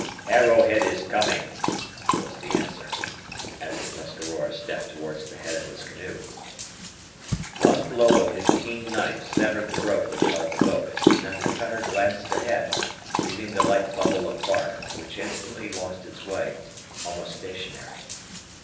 "Arrowhead is coming," was the answer, as the Tuscarora stepped towards the head of his canoe. One blow of his keen knife severed the rope which held the boat, and then the cutter glanced ahead, leaving the light bubble of bark, which instantly lost its way, almost stationary.